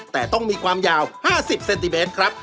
แต่ต้องมีความยาว๕๐เซนติเมตรครับ